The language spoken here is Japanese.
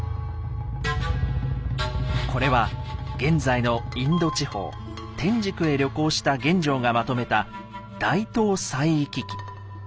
これは現在のインド地方天竺へ旅行した玄奘がまとめた「大唐西域記」。